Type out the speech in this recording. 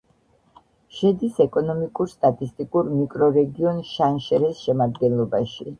შედის ეკონომიკურ-სტატისტიკურ მიკრორეგიონ შანშერეს შემადგენლობაში.